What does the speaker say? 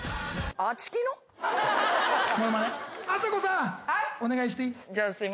あさこさんお願いしていい？